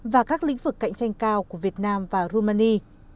và các lĩnh vực cạnh tranh cao của việt nam và rumani